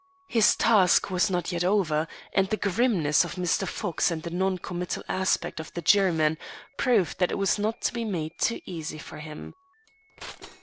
His task was not yet over, and the grimness of Mr. Fox, and the non committal aspect of the jurymen, proved that it was not to be made too easy for him.